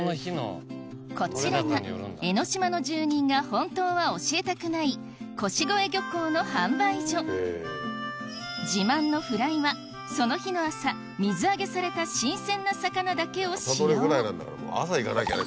こちらが江の島の住人が本当は教えたくない自慢のフライはその日の朝水揚げされた新鮮な魚だけを使用朝行かなきゃね